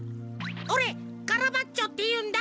オレカラバッチョっていうんだ！